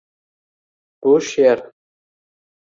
«Bu she’r